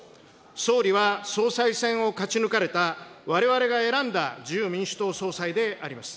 総理は総裁選を勝ち抜かれた、われわれが選んだ自由民主党総裁であります。